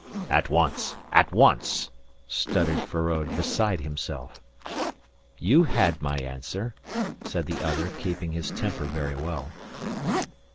"At once. At once," stuttered Feraud, beside himself. "You had my answer," said the other, keeping his temper very well.